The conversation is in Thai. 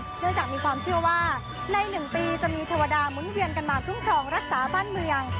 เนื่องจากมีความเชื่อว่าใน๑ปีจะมีเทวดาหมุนเวียนกันมาคุ้มครองรักษาบ้านเมือง